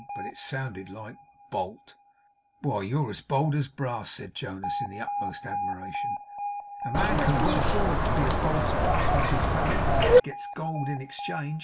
But it sounded like 'Bolt.' 'Why, you're as bold as brass!' said Jonas, in the utmost admiration. 'A man can well afford to be as bold as brass, my good fellow, when he gets gold in exchange!